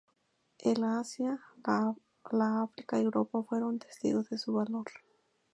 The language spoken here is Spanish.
El Asia, la África y Europa fueron testigos de su valor.